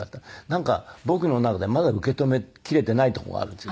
なんか僕の中でまだ受け止めきれていないとこがあるんですよ